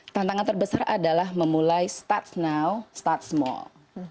tantangan terbesar adalah memulai start now start small